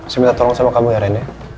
saya minta tolong sama kamu ya rende